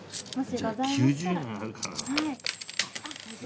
じゃあ９０円があるかな。